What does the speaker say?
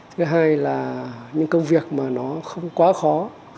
thứ hai là những công việc mà nó không quá khó